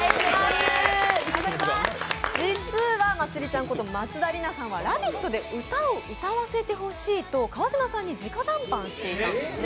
実はまつりちゃんこと松田里奈さんは「ラヴィット！」で歌を歌わせてほしいと川島さんにじか談判していたんですね。